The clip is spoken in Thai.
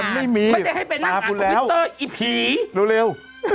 มันไม่มีฝากกูแล้วมันไม่ได้ให้ไปนั่งอ่านควิวเตอร์ไอ้ผีรู้เร็ว